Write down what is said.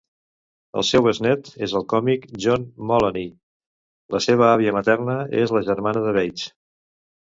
El seu besnét és el còmic John Mulaney, la seva àvia materna és la germana de Bates.